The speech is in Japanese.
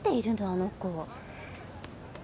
あの子。